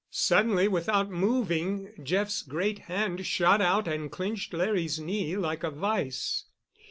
Suddenly, without moving, Jeff's great hand shot out and clinched Larry's knee like a vise.